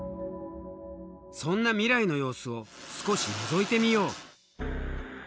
そんな未来の様子を少しのぞいてみよう。